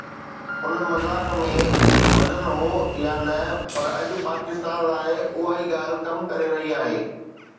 ان مذاق ۾ وزن هو يا نه، پر اڄ پاڪستان لاءِ اها ئي ڳالهه ڪم ڪري رهي آهي.